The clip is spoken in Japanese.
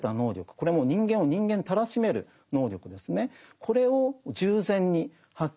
これはもう人間を人間たらしめる能力ですね。